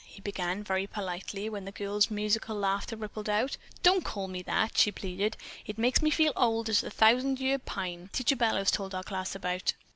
he began, very politely, when the girl's musical laughter rippled out. "Don't call me that!" she pleaded. "It makes me feel as old as the thousand year pine Teacher Bellows told our class about.